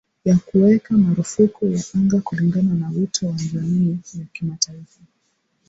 ya kuweka marufuku ya anga kulingana na wito wa jamii ya kimataifa